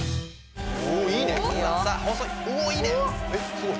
すごい。